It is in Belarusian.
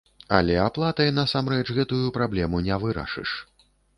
Але аплатай, насамрэч, гэтую праблему не вырашыш.